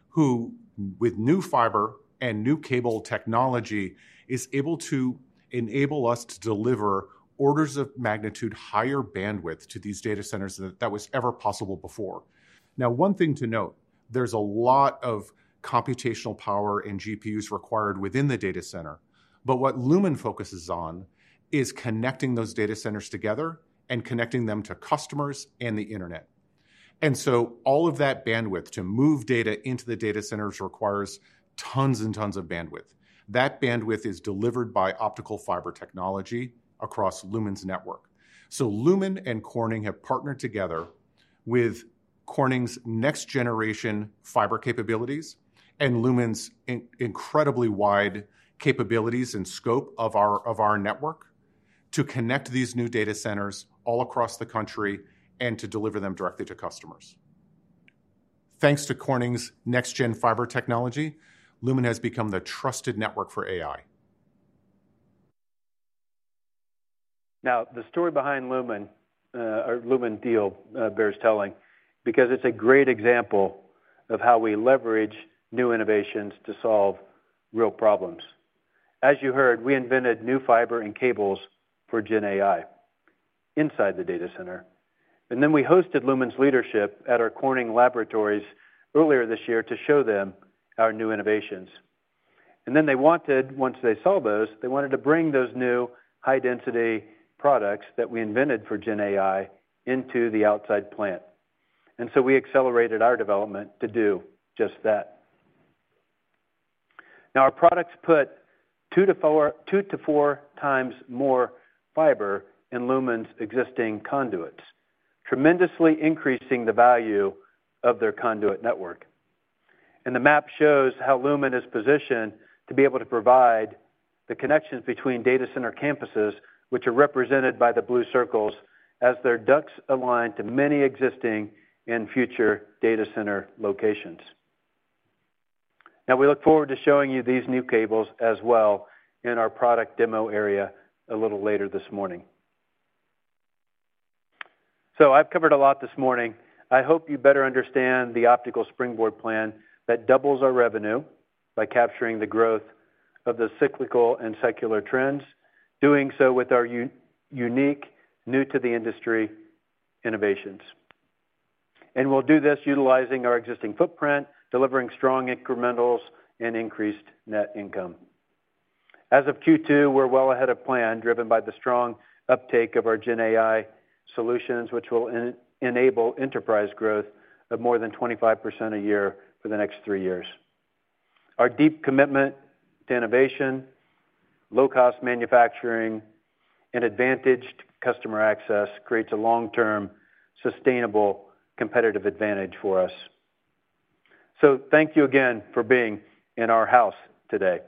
who, with new fiber and new cable technology, is able to enable us to deliver orders of magnitude higher bandwidth to these data centers than that was ever possible before. Now, one thing to note, there's a lot of computational power and GPUs required within the data center, but what Lumen focuses on is connecting those data centers together and connecting them to customers and the internet, and so all of that bandwidth to move data into the data centers requires tons and tons of bandwidth. That bandwidth is delivered by optical fiber technology across Lumen's network. So Lumen and Corning have partnered together with Corning's next-generation fiber capabilities and Lumen's incredibly wide capabilities and scope of our network, to connect these new data centers all across the country and to deliver them directly to customers. Thanks to Corning's next-gen fiber technology, Lumen has become the trusted network for AI. Now, the story behind Lumen, our Lumen deal bears telling, because it's a great example of how we leverage new innovations to solve real problems. As you heard, we invented new fiber and cables for Gen AI inside the data center, and then we hosted Lumen's leadership at our Corning Laboratories earlier this year to show them our new innovations. And then, once they saw those, they wanted to bring those new high-density products that we invented for Gen AI into the outside plant. And so we accelerated our development to do just that. Now, our products put two to four, two to four times more fiber in Lumen's existing conduits, tremendously increasing the value of their conduit network. The map shows how Lumen is positioned to be able to provide the connections between data center campuses, which are represented by the blue circles, as their ducts align to many existing and future data center locations. Now, we look forward to showing you these new cables as well in our product demo area a little later this morning. I've covered a lot this morning. I hope you better understand the Optical Springboard plan that doubles our revenue by capturing the growth of the cyclical and secular trends, doing so with our unique, new to the industry innovations. We'll do this utilizing our existing footprint, delivering strong incrementals and increased net income. As of Q2, we're well ahead of plan, driven by the strong uptake of our Gen AI solutions, which will enable Enterprise growth of more than 25% a year for the next three years. Our deep commitment to innovation, low-cost manufacturing, and advantaged customer access creates a long-term, sustainable competitive advantage for us. So thank you again for being in our house today,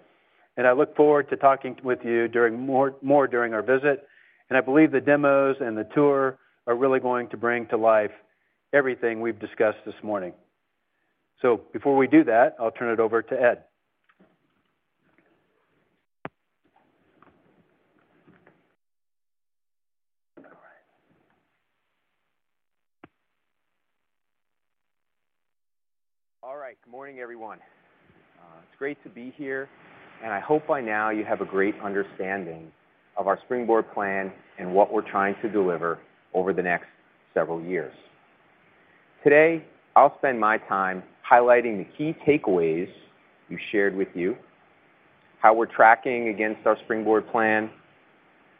and I look forward to talking with you more during our visit. And I believe the demos and the tour are really going to bring to life everything we've discussed this morning. So before we do that, I'll turn it over to Ed. All right. All right, good morning, everyone. It's great to be here, and I hope by now you have a great understanding of our Springboard plan and what we're trying to deliver over the next several years. Today, I'll spend my time highlighting the key takeaways we shared with you, how we're tracking against our Springboard plan,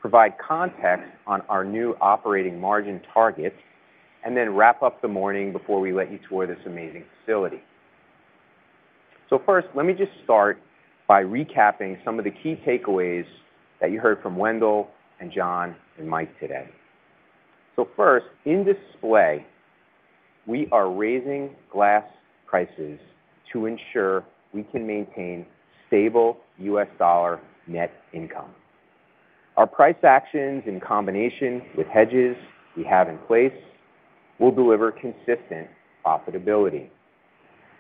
provide context on our new operating margin target, and then wrap up the morning before we let you tour this amazing facility. So first, let me just start by recapping some of the key takeaways that you heard from Wendell and John and Mike today. So first, in Display, we are raising glass prices to ensure we can maintain stable U.S. dollar net income. Our price actions, in combination with hedges we have in place, will deliver consistent profitability.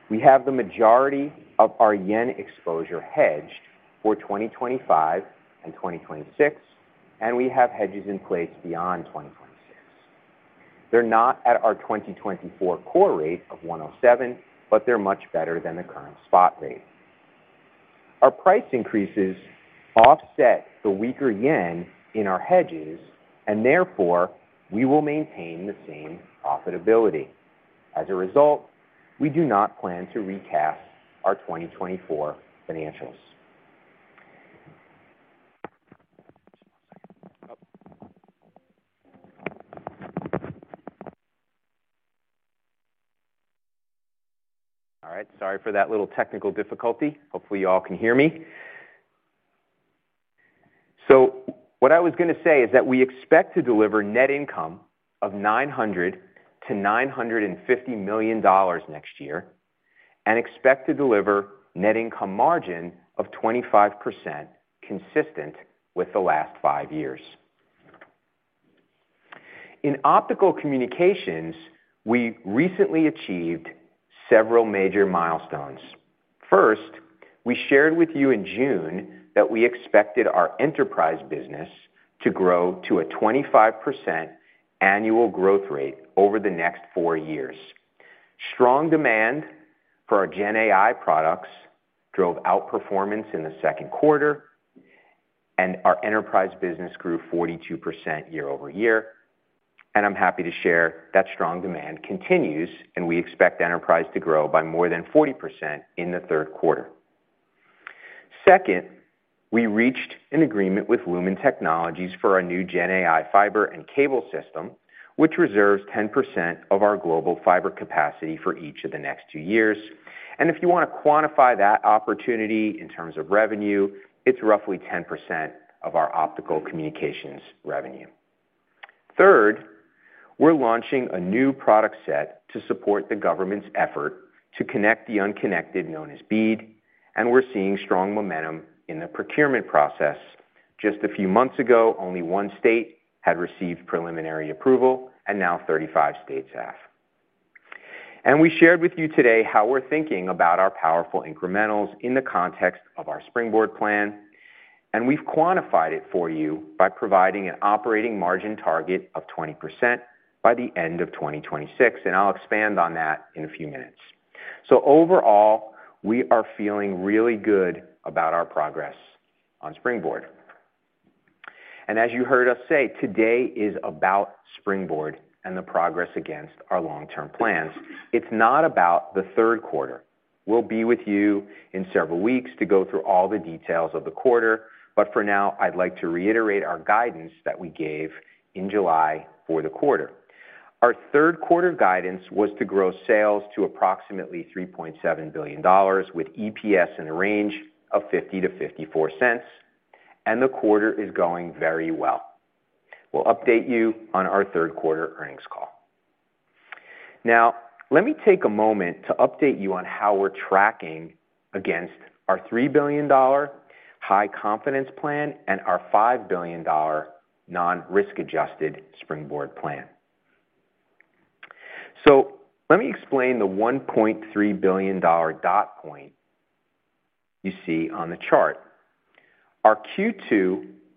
We have the majority of our yen exposure hedged for 2025 and 2026, and we have hedges in place beyond 2026. They're not at our 2024 Core rate of 107, but they're much better than the current spot rate. Our price increases offset the weaker yen in our hedges, and therefore, we will maintain the same profitability. As a result, we do not plan to recast our 2024 financials. Just one second. Oh. All right, sorry for that little technical difficulty. Hopefully, you all can hear me. What I was gonna say is that we expect to deliver net income of $900 million-$950 million next year, and expect to deliver net income margin of 25%, consistent with the last five years. In Optical Communications, we recently achieved several major milestones. First, we shared with you in June that we expected our Enterprise business to grow to a 25% annual growth rate over the next four years. Strong demand for our Gen AI products drove outperformance in the second quarter, and our Enterprise business grew 42% year over year, and I'm happy to share that strong demand continues, and we expect Enterprise to grow by more than 40% in the third quarter. Second, we reached an agreement with Lumen Technologies for our new Gen AI fiber and cable system, which reserves 10% of our global fiber capacity for each of the next two years. And if you wanna quantify that opportunity in terms of revenue, it's roughly 10% of our Optical Communications revenue. Third, we're launching a new product set to support the government's effort to connect the unconnected, known as BEAD, and we're seeing strong momentum in the procurement process. Just a few months ago, only one state had received preliminary approval, and now 35 states have, and we shared with you today how we're thinking about our powerful incrementals in the context of our Springboard plan, and we've quantified it for you by providing an operating margin target of 20% by the end of 2026, and I'll expand on that in a few minutes, so overall, we are feeling really good about our progress on Springboard, and as you heard us say, today is about Springboard and the progress against our long-term plans. It's not about the third quarter. We'll be with you in several weeks to go through all the details of the quarter, but for now, I'd like to reiterate our guidance that we gave in July for the quarter. Our third quarter guidance was to grow sales to approximately $3.7 billion, with EPS in the range of $0.50-$0.54, and the quarter is going very well. We'll update you on our third quarter earnings call. Now, let me take a moment to update you on how we're tracking against our $3 billion high confidence plan and our $5 billion non-risk adjusted Springboard plan. So let me explain the $1.3 billion dot point you see on the chart. Our Q2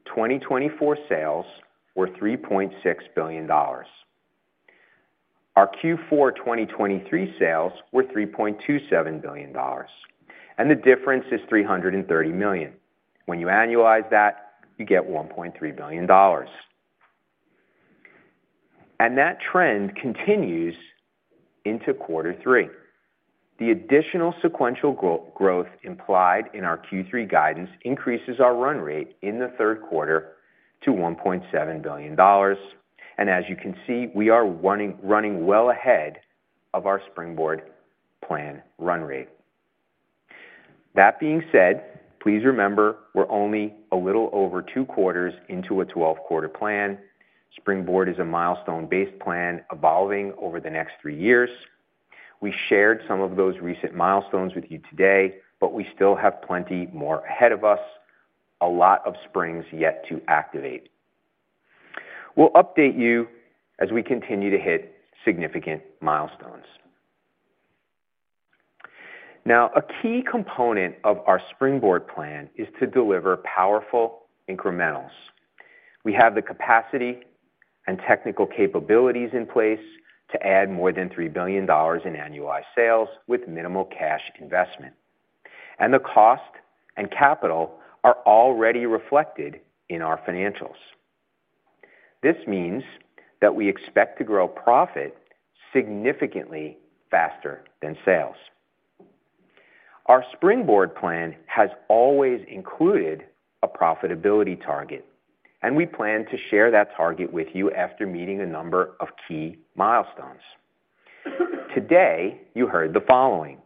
2024 sales were $3.6 billion. Our Q4 2023 sales were $3.27 billion, and the difference is three hundred and thirty million. When you annualize that, you get one point three billion dollars. That trend continues into quarter three. The additional sequential growth implied in our Q3 guidance increases our run rate in the third quarter to $1.7 billion. As you can see, we are running well ahead of our Springboard plan run rate. That being said, please remember, we're only a little over two quarters into a 12-quarter plan. Springboard is a milestone-based plan evolving over the next three years. We shared some of those recent milestones with you today, but we still have plenty more ahead of us, a lot of springs yet to activate. We'll update you as we continue to hit significant milestones. Now, a key component of our Springboard plan is to deliver powerful incrementals. We have the capacity and technical capabilities in place to add more than $3 billion in annualized sales with minimal cash investment, and the cost and capital are already reflected in our financials. This means that we expect to grow profit significantly faster than sales. Our Springboard plan has always included a profitability target, and we plan to share that target with you after meeting a number of key milestones. Today, you heard the following: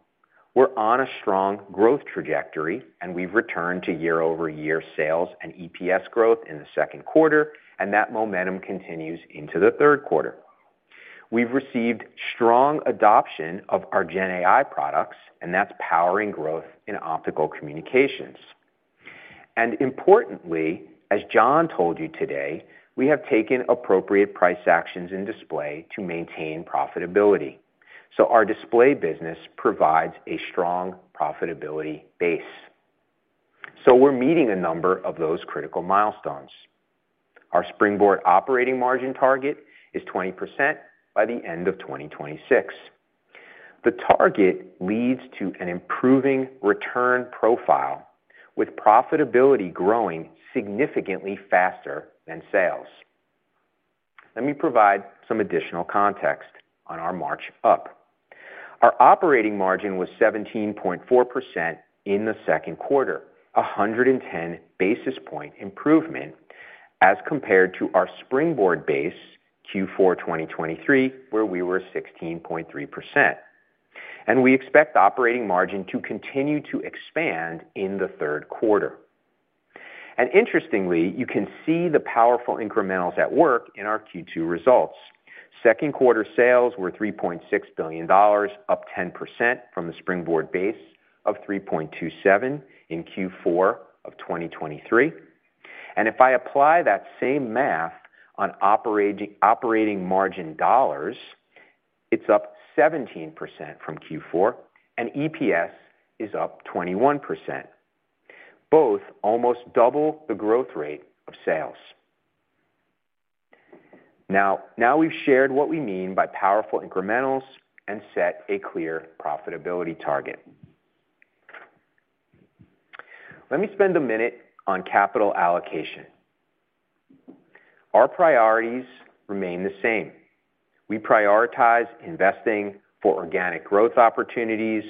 We're on a strong growth trajectory, and we've returned to year-over-year sales and EPS growth in the second quarter, and that momentum continues into the third quarter. We've received strong adoption of our Gen AI products, and that's powering growth in Optical Communications. And importantly, as John told you today, we have taken appropriate price actions in Display to maintain profitability, so our Display business provides a strong profitability base. So we're meeting a number of those critical milestones. Our Springboard operating margin target is 20% by the end of 2026. The target leads to an improving return profile, with profitability growing significantly faster than sales. Let me provide some additional context on our march up. Our operating margin was 17.4% in the second quarter, a 110 basis point improvement as compared to our Springboard base Q4 2023, where we were 16.3%, and we expect operating margin to continue to expand in the third quarter. And interestingly, you can see the powerful incrementals at work in our Q2 results. Second quarter sales were $3.6 billion, up 10% from the Springboard base of $3.27 billion in Q4 of 2023. If I apply that same math on operating margin dollars, it's up 17% from Q4, and EPS is up 21%, both almost double the growth rate of sales. Now we've shared what we mean by powerful incrementals and set a clear profitability target. Let me spend a minute on capital allocation. Our priorities remain the same. We prioritize investing for organic growth opportunities,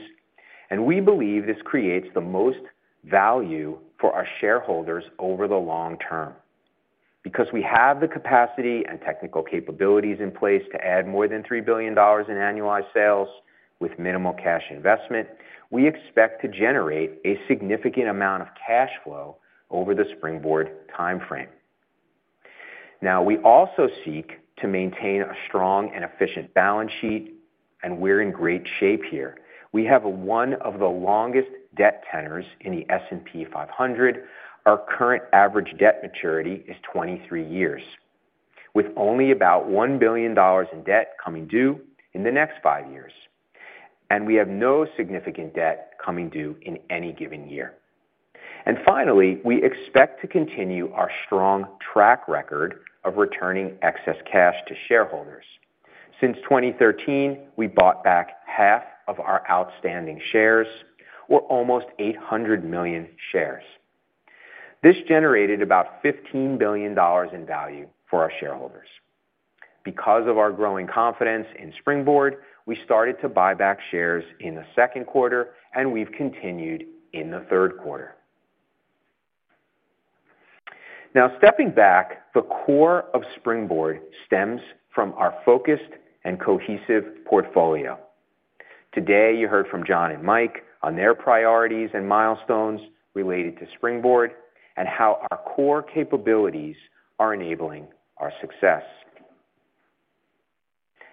and we believe this creates the most value for our shareholders over the long term. Because we have the capacity and technical capabilities in place to add more than $3 billion in annualized sales with minimal cash investment, we expect to generate a significant amount of cash flow over the Springboard timeframe. Now, we also seek to maintain a strong and efficient balance sheet, and we're in great shape here. We have one of the longest debt tenors in the S&P 500. Our current average debt maturity is 23 years, with only about $1 billion in debt coming due in the next 5 years, and we have no significant debt coming due in any given year, and finally, we expect to continue our strong track record of returning excess cash to shareholders. Since 2013, we bought back half of our outstanding shares, or almost 800 million shares. This generated about $15 billion in value for our shareholders. Because of our growing confidence in Springboard, we started to buy back shares in the second quarter, and we've continued in the third quarter. Now, stepping back, the core of Springboard stems from our focused and cohesive portfolio. Today, you heard from John and Mike on their priorities and milestones related to Springboard, and how our core capabilities are enabling our success.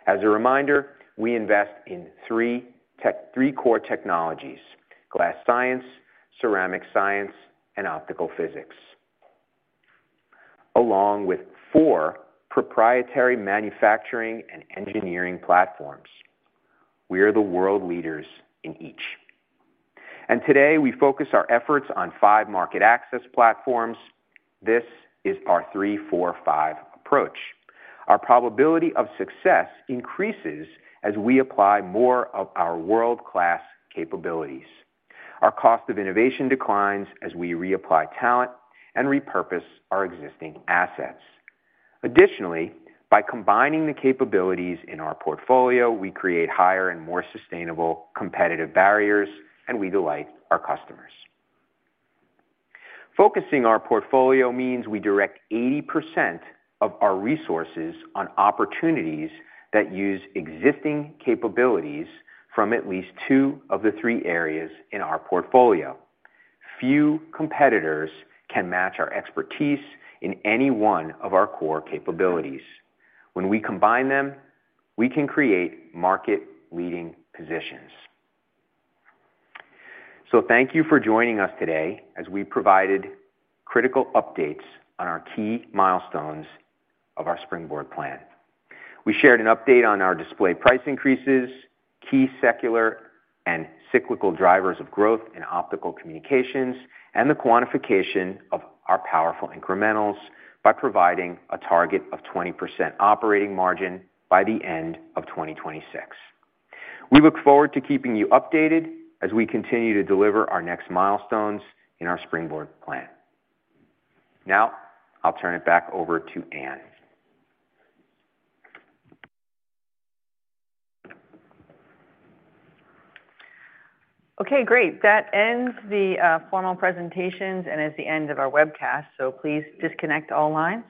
As a reminder, we invest in three Core Technologies: Glass Science, Ceramic Science, and Optical Physics, along with four proprietary Manufacturing and Engineering Platforms. We are the world leaders in each. And today, we focus our efforts on five Market-Access Platforms. This is our 3-4-5 approach. Our probability of success increases as we apply more of our world-class capabilities. Our cost of innovation declines as we reapply talent and repurpose our existing assets. Additionally, by combining the capabilities in our portfolio, we create higher and more sustainable competitive barriers, and we delight our customers. Focusing our portfolio means we direct 80% of our resources on opportunities that use existing capabilities from at least two of the three areas in our portfolio. Few competitors can match our expertise in any one of our core capabilities. When we combine them, we can create market-leading positions. So thank you for joining us today as we provided critical updates on our key milestones of our Springboard plan. We shared an update on our Display price increases, key secular and cyclical drivers of growth in Optical Communications, and the quantification of our powerful incrementals by providing a target of 20% operating margin by the end of 2026. We look forward to keeping you updated as we continue to deliver our next milestones in our Springboard plan. Now, I'll turn it back over to Ann. Okay, great. That ends the formal presentations, and it's the end of our webcast, so please disconnect all lines.